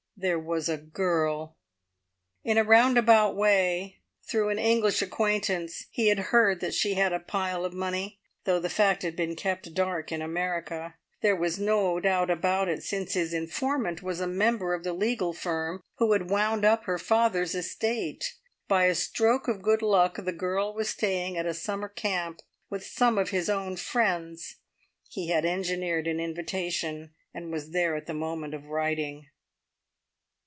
There was a girl. In a roundabout way, through an English acquaintance, he had heard that she had a pile of money, though the fact had been kept dark in America. There was no doubt about it, since his informant was a member of the legal firm who had wound up her father's estate. By a stroke of good luck the girl was staying at a summer camp with some of his own friends. He had engineered an invitation, and was there at the moment of writing.